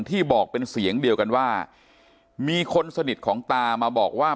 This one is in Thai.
บอกเป็นเสียงเดียวกันว่ามีคนสนิทของตามาบอกว่า